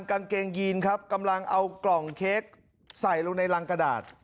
กางเกงยีนครับกำลังเอากล่องเค้กใส่ลงในรังกระดาษ